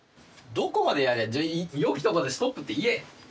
どこまでやれじゃ良きところでストップって言え！